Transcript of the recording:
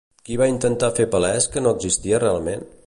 Qui va intentar fer palès que no existia realment?